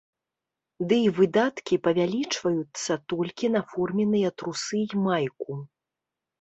Ды і выдаткі павялічваюцца толькі на форменныя трусы і майку.